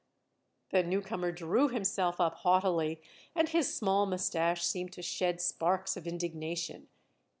The newcomer drew himself up haughtily, and his small mustache seemed to shed sparks of indignation.